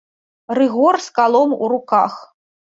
Рыгор з калом у руках.